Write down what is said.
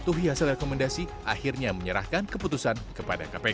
dituhi hasil rekomendasi akhirnya menyerahkan keputusan kepada kpk